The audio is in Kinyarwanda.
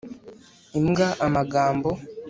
imbwa amagambo